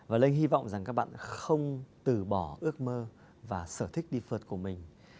và lê hy vọng rằng các bạn không từ bỏ ước mơ và sở thích đi phượt của mình